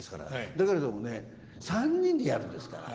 だけれどもね３人でやるんですから。